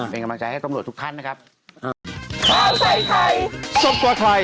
เป็นกำลังใจให้ตรงรวดทุกท่านนะครับ